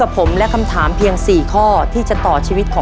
บ้านนี้สุขสมมาก